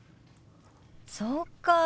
そうか。